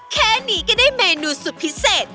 แค่นี้ก็ได้เมนูสุดพิเศษ